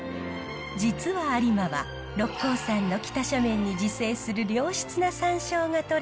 実は有馬は六甲山の北斜面に自生する良質なさんしょうがとれる地。